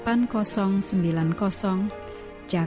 awal pada ke ci ci